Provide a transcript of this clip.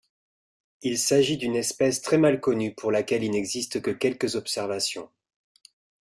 Il s’agit d’une espèce très mal connue pour laquelle il n’existe que quelques observations.